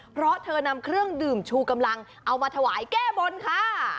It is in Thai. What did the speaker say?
เพราะเธอนำเครื่องดื่มชูกำลังเอามาถวายแก้บนค่ะ